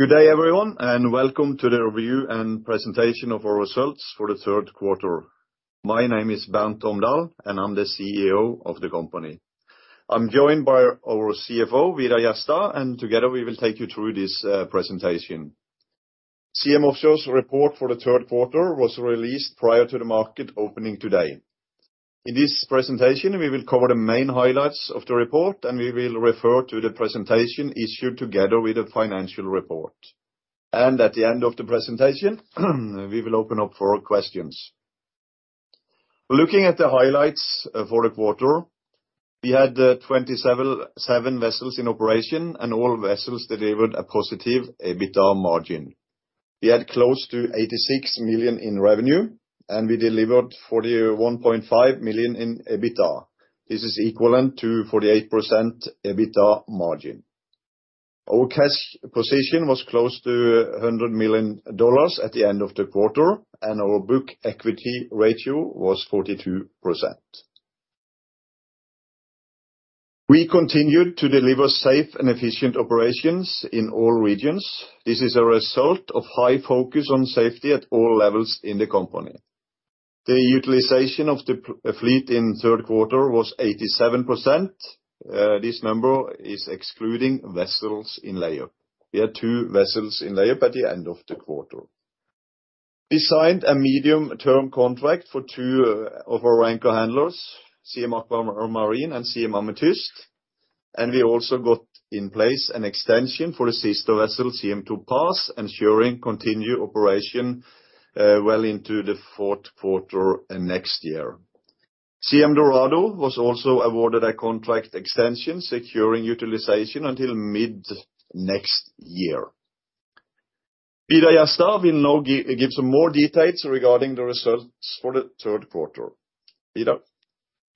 Good day, everyone, and welcome to the review and presentation of our results for the third quarter. My name is Bernt Omdal, and I'm the CEO of the company. I'm joined by our CFO, Vidar Jerstad, and together, we will take you through this presentation. Siem Offshore's report for the third quarter was released prior to the market opening today. In this presentation, we will cover the main highlights of the report, and we will refer to the presentation issued together with the financial report. At the end of the presentation, we will open up for questions. Looking at the highlights for the quarter, we had 27 vessels in operation, and all vessels delivered a positive EBITDA margin. We had close to $86 million in revenue, and we delivered $41.5 million in EBITDA. This is equivalent to 48% EBITDA margin. Our cash position was close to $100 million at the end of the quarter, and our book equity ratio was 42%. We continued to deliver safe and efficient operations in all regions. This is a result of high focus on safety at all levels in the company. The utilization of the PSV fleet in the third quarter was 87%. This number is excluding vessels in layups. We had two vessels in layup at the end of the quarter. We signed a medium-term contract for two of our anchor handlers, Siem Aquamarine and Siem Amethyst. We also got in place an extension for the sister vessel, Siem Topaz, ensuring continued operation, well into the fourth quarter of next year. Siem Dorado was also awarded a contract extension, securing utilization until mid-next year. Vidar Jerstad will now give some more details regarding the results for the third quarter. Vidar?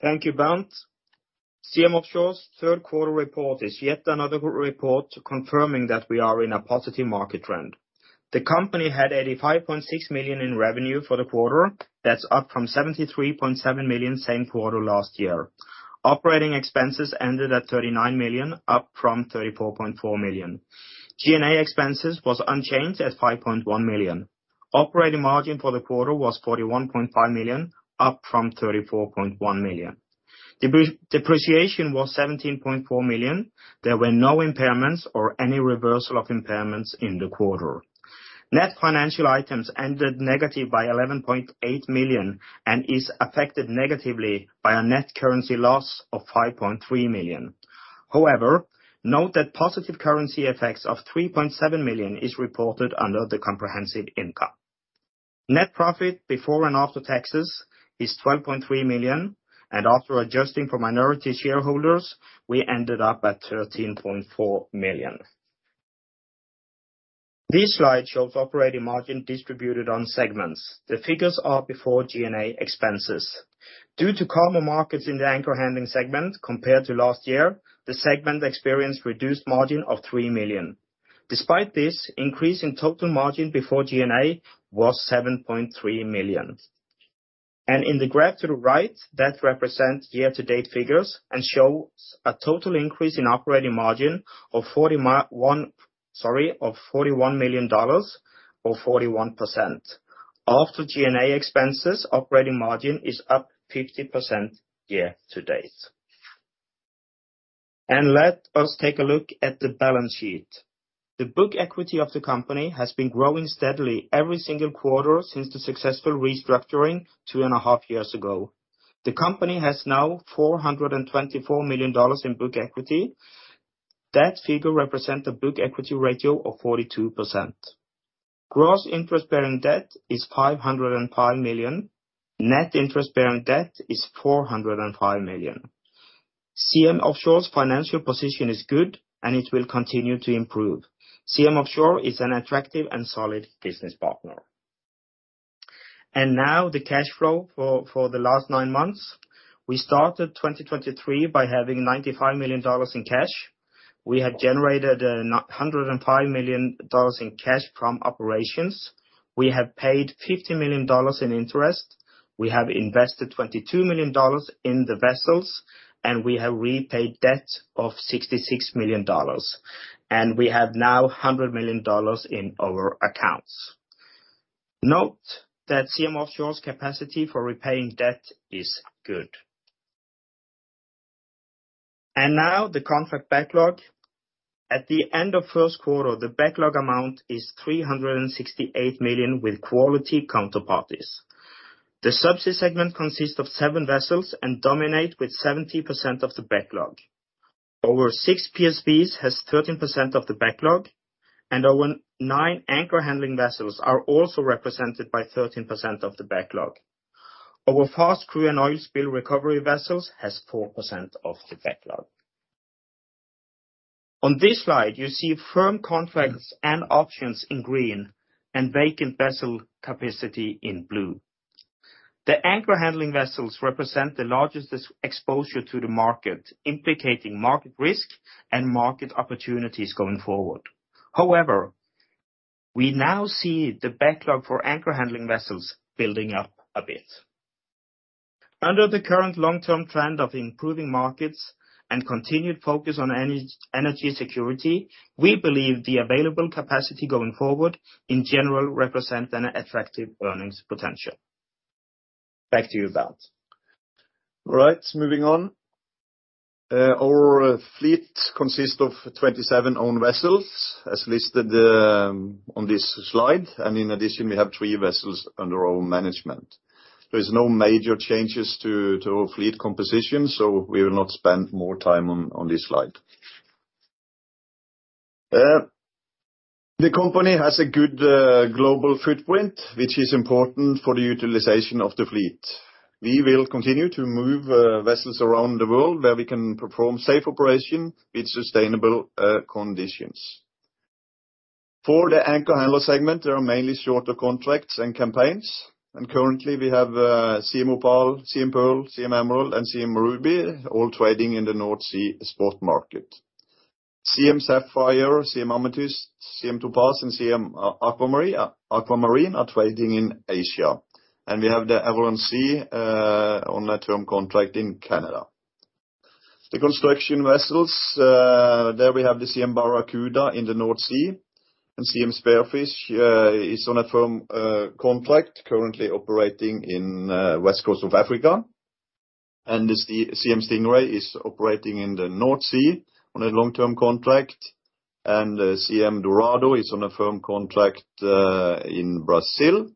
Thank you, Bernt. Siem Offshore's third quarter report is yet another good report confirming that we are in a positive market trend. The company had $85.6 million in revenue for the quarter. That's up from $73.7 million, same quarter last year. Operating expenses ended at $39 million, up from $34.4 million. G&A expenses was unchanged at $5.1 million. Operating margin for the quarter was $41.5 million, up from $34.1 million. Depreciation was $17.4 million. There were no impairments or any reversal of impairments in the quarter. Net financial items ended negative by $11.8 million and is affected negatively by a net currency loss of $5.3 million. However, note that positive currency effects of $3.7 million is reported under the comprehensive income. Net profit before and after taxes is $12.3 million, and after adjusting for minority shareholders, we ended up at $13.4 million. This slide shows operating margin distributed on segments. The figures are before G&A expenses. Due to calmer markets in the anchor handling segment compared to last year, the segment experienced reduced margin of $3 million. Despite this increase in total margin before G&A was $7.3 million. In the graph to the right, that represents year-to-date figures and shows a total increase in operating margin of $41 million or 41%. After G&A expenses, operating margin is up 50% year to date. Let us take a look at the balance sheet. The book equity of the company has been growing steadily every single quarter since the successful restructuring two and a half years ago. The company has now $424 million in book equity. That figure represent a book equity ratio of 42%. Gross interest-bearing debt is $505 million. Net interest-bearing debt is $405 million. Siem Offshore's financial position is good, and it will continue to improve. Siem Offshore is an attractive and solid business partner. Now the cash flow for the last nine months. We started 2023 by having $95 million in cash. We have generated one hundred and five million dollars in cash from operations. We have paid $50 million in interest. We have invested $22 million in the vessels, and we have repaid debt of $66 million, and we have now $100 million in our accounts. Note that Siem Offshore's capacity for repaying debt is good. Now, the contract backlog. At the end of first quarter, the backlog amount is $368 million with quality counterparties. The subsea segment consists of seven vessels and dominate with 70% of the backlog. Our six PSVs has 13% of the backlog, and our nine anchor handling vessels are also represented by 13% of the backlog. Our fast crew and oil spill recovery vessels has 4% of the backlog. On this slide, you see firm contracts and options in green and vacant vessel capacity in blue. The anchor handling vessels represent the largest exposure to the market, implicating market risk and market opportunities going forward. However, we now see the backlog for anchor handling vessels building up a bit. Under the current long-term trend of improving markets and continued focus on energy security, we believe the available capacity going forward, in general, represent an effective earnings potential. Back to you, Bernt. All right, moving on. Our fleet consists of 27 owned vessels, as listed on this slide, and in addition, we have three vessels under our management. There's no major changes to our fleet composition, so we will not spend more time on this slide. The company has a good global footprint, which is important for the utilization of the fleet. We will continue to move vessels around the world where we can perform safe operation with sustainable conditions. For the anchor handler segment, there are mainly shorter contracts and campaigns, and currently, we have Siem Opal, Siem Pearl, Siem Emerald, and Siem Ruby, all trading in the North Sea spot market. Siem Sapphire, Siem Amethyst, Siem Topaz, and Siem Aquamarine are trading in Asia. And we have the Avalon Sea on a term contract in Canada. The construction vessels, there we have the Siem Barracuda in the North Sea, and Siem Spearfish is on a firm contract currently operating in west coast of Africa. And the Siem Stingray is operating in the North Sea on a long-term contract, and Siem Dorado is on a firm contract in Brazil.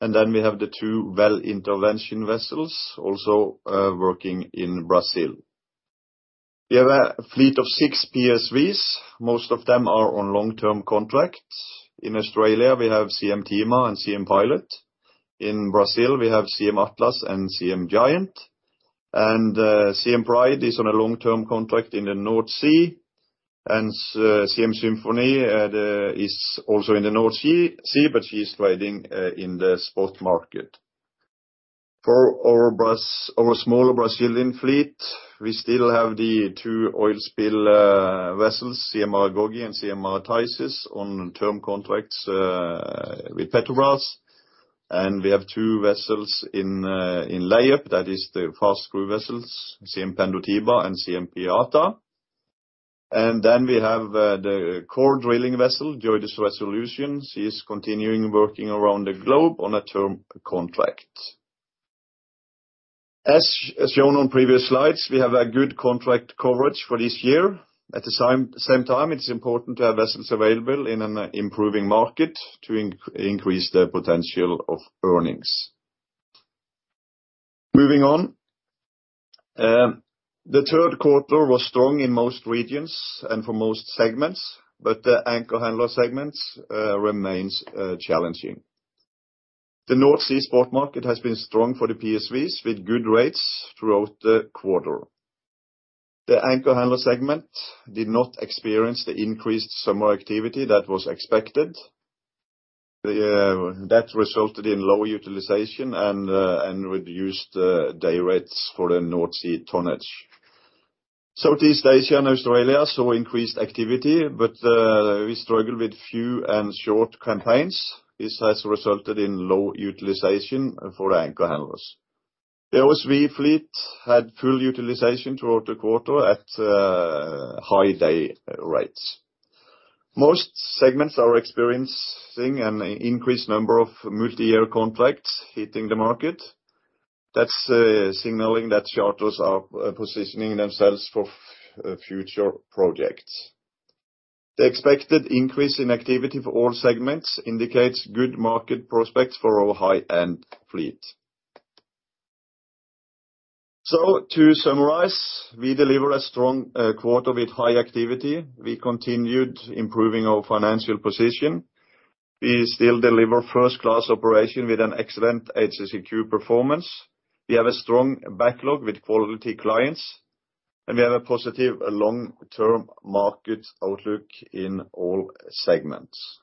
And then we have the two well intervention vessels also working in Brazil. We have a fleet of six PSVs. Most of them are on long-term contracts. In Australia, we have Siem Thiima and Siem Pilot. In Brazil, we have Siem Atlas and Siem Giant. And Siem Pride is on a long-term contract in the North Sea, and Siem Symphony is also in the North Sea, but she's trading in the spot market. For our Brazilian fleet, we still have the two oil spill vessels, Siem Maragogi and Siem Marataizes, on term contracts with Petrobras. And we have two vessels in layup, that is the fast crew vessels, Siem Pendotiba and Siem Piata. And then we have the core drilling vessel, JOIDES Resolution. She is continuing working around the globe on a term contract. As shown on previous slides, we have a good contract coverage for this year. At the same time, it is important to have vessels available in an improving market to increase the potential of earnings. Moving on. The third quarter was strong in most regions and for most segments, but the anchor handler segment remains challenging. The North Sea spot market has been strong for the PSVs, with good rates throughout the quarter. The anchor handler segment did not experience the increased summer activity that was expected. That resulted in lower utilization and reduced day rates for the North Sea tonnage. Southeast Asia and Australia saw increased activity, but we struggle with few and short campaigns. This has resulted in low utilization for anchor handlers. The OSV fleet had full utilization throughout the quarter at high day rates. Most segments are experiencing an increased number of multi-year contracts hitting the market. That's signaling that charters are positioning themselves for future projects. The expected increase in activity for all segments indicates good market prospects for our high-end fleet. So to summarize, we deliver a strong quarter with high activity. We continued improving our financial position. We still deliver first-class operation with an excellent HSEQ performance. We have a strong backlog with quality clients, and we have a positive long-term market outlook in all segments.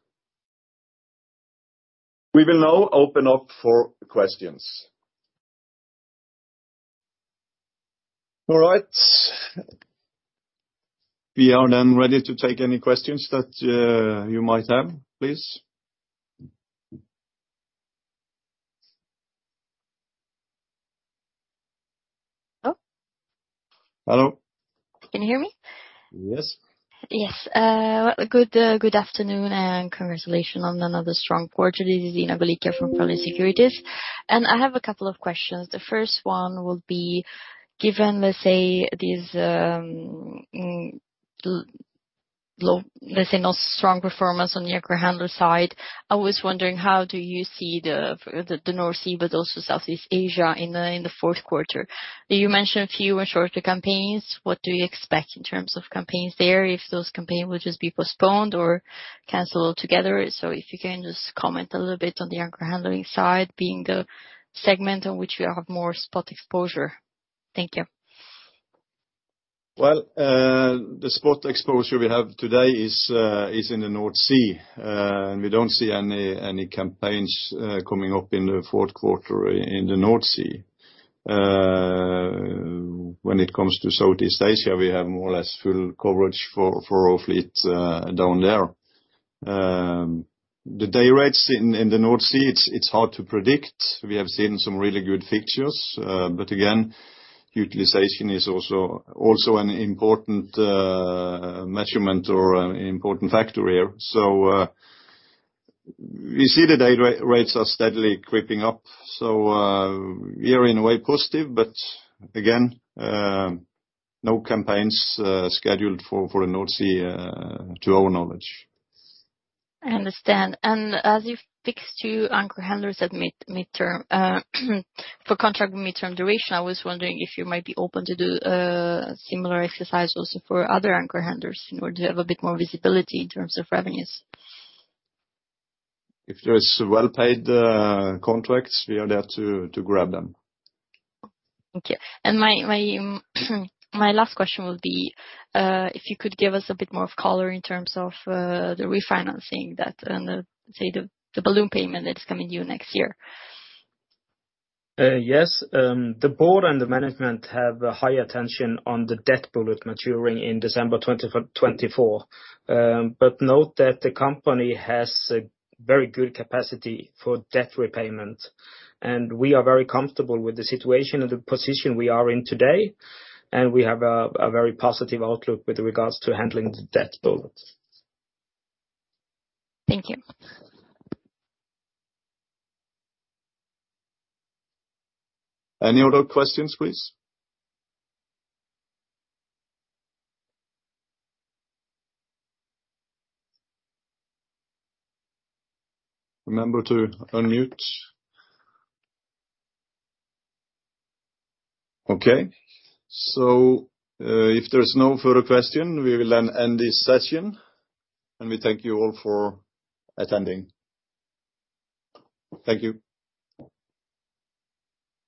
We will now open up for questions. All right. We are then ready to take any questions that you might have, please. Oh? Hello. Can you hear me? Yes. Yes. Well, good afternoon, and congratulations on another strong quarter. This is Ina Golikja from Fearnley Securities, and I have a couple of questions. The first one will be, given, let's say, this, let's say, not strong performance on the anchor handler side, I was wondering: How do you see the North Sea, but also Southeast Asia in the fourth quarter? You mentioned a few were shorter campaigns. What do you expect in terms of campaigns there, if those campaigns will just be postponed or canceled altogether? So if you can just comment a little bit on the anchor handling side, being the segment on which we have more spot exposure. Thank you. Well, the spot exposure we have today is in the North Sea. We don't see any campaigns coming up in the fourth quarter in the North Sea. When it comes to Southeast Asia, we have more or less full coverage for our fleet down there. The day rates in the North Sea, it's hard to predict. We have seen some really good fixtures, but again, utilization is also an important measurement or an important factor here. So, we see the day rates are steadily creeping up. So, we are in a way positive, but again, no campaigns scheduled for the North Sea, to our knowledge. I understand. As you fixed two anchor handlers at mid-term for contract mid-term duration, I was wondering if you might be open to do a similar exercise also for other anchor handlers in order to have a bit more visibility in terms of revenues? If there is well-paid contracts, we are there to grab them. Okay. My last question would be, if you could give us a bit more of color in terms of the refinancing that and say, the balloon payment that's coming due next year. Yes. The board and the management have a high attention on the debt bullet maturing in December 2024. But note that the company has a very good capacity for debt repayment, and we are very comfortable with the situation and the position we are in today, and we have a very positive outlook with regards to handling the debt bullet. Thank you. Any other questions, please? Remember to unmute. Okay. So, if there's no further question, we will then end this session, and we thank you all for attending. Thank you.